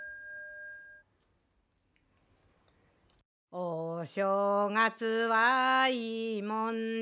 「お正月はいいもんだ」